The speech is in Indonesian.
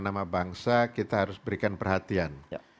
nama bangsa kita harus berikan perhatian